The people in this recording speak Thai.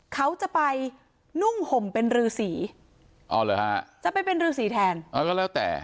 เขาจะไปนุ่งห่มเป็นรือสีอ๋อเหรอฮะจะไปเป็นรือสีแทนอ๋อก็แล้วแต่